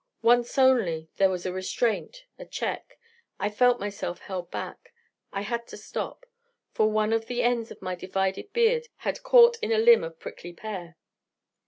Once only there was a restraint, a check: I felt myself held back: I had to stop: for one of the ends of my divided beard had caught in a limb of prickly pear.